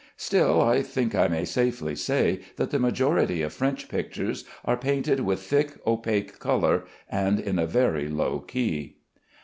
Still I think I may safely say that the majority of French pictures are painted with thick, opaque color and in a very low key.